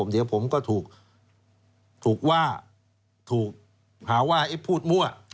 เดี๋ยวผมก็ถูกว่าถูกหาว่าพูดมั่ว